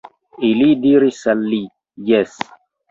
Ili diris al li: Jes.